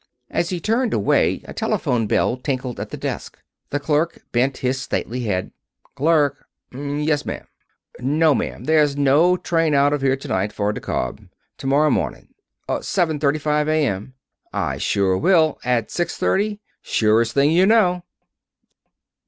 As he turned away a telephone bell tinkled at the desk. The clerk bent his stately head. "Clerk. Yes, ma'am. No, ma'am, there's no train out of here to night for DeKalb. To morrow morning. Seven thirty five A.M. I sure will. At six thirty? Surest thing you know."